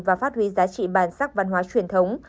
và phát huy giá trị bản sắc văn hóa truyền thống